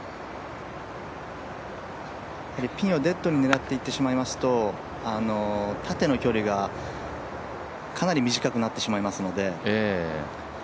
ピンをデッドに狙っていってしまいますと、縦の距離がかなり短くなってしまいますので。